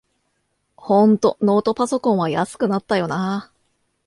ほんとノートパソコンは安くなったよなあ